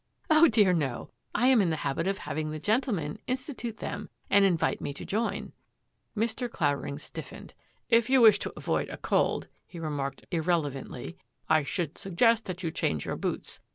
" Oh, dear, no ! I am in the habit of having the gentlemen institute them and invite me to jom." Mr. Clavering stiffened. " If you wish to avoid a cold," he remarked irrelevantly, " I should sug gest that you change your boots.